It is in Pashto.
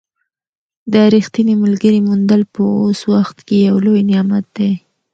د ریښتیني ملګري موندل په اوس وخت کې یو لوی نعمت دی.